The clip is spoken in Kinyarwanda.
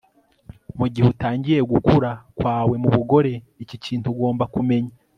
Mugihe utangiye gukura kwawe mubugore iki kintu ugomba kumenya